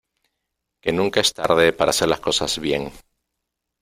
que nunca es tarde para hacer las cosas bien .